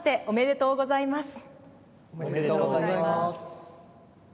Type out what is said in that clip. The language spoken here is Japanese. おめでとうございます。